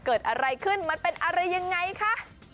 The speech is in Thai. เกิดอะไรขึ้นมันเป็นอะไรยังไงคะ